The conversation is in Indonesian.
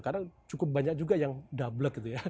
karena cukup banyak juga yang dablek gitu ya